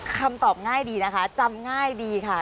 คำตอบง่ายดีนะคะจำง่ายดีค่ะ